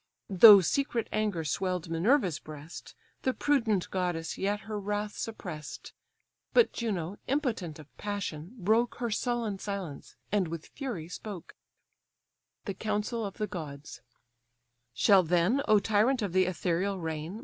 Though secret anger swell'd Minerva's breast, The prudent goddess yet her wrath suppress'd; But Juno, impotent of passion, broke Her sullen silence, and with fury spoke: THE COUNCIL OF THE GODS "Shall then, O tyrant of the ethereal reign!